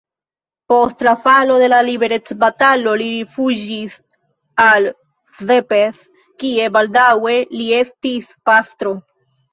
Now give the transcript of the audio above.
Post falo de la liberecbatalo li rifuĝis al Szepes, kie baldaŭe li estis pastro.